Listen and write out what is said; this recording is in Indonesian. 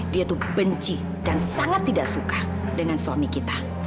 dia tuh benci dan sangat tidak suka dengan suami kita